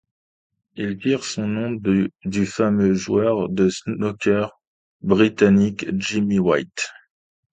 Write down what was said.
Il tire son nom du fameux joueur de snooker britannique Jimmy White.